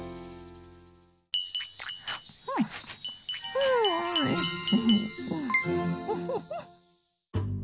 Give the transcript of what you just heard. フフフ。